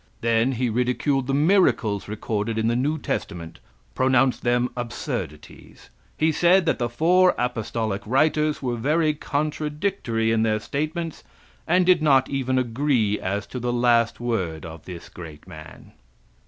Then he ridiculed the miracles recorded in the new testament, pronounced them absurdities. He said that the four apostolic writers were very contradictory in their statements, and did not even agree as to the last word of this great man.)